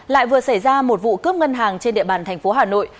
lại vừa xảy ra một vụ cướp ngân hàng trên địa bàn thành phố hà nội